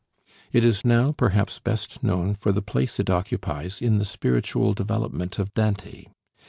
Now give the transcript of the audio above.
It is now perhaps best known for the place it occupies in the spiritual development of Dante.